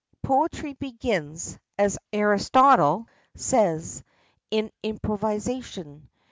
Poetry begins, as Aristotle says, in improvisation.